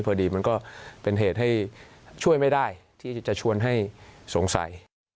พอดีมันก็เป็นเหตุให้ช่วยไม่ได้ที่จะชวนให้สงสัย